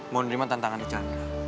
mau nerima tantangan di chandra